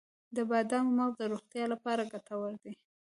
د بادامو مغز د روغتیا لپاره ګټور دی.